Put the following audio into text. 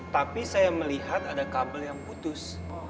tapi saya melihat ada kabel yang putus